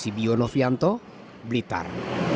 sehingga pihak yang tidak bertanggung jawab bisa dicegah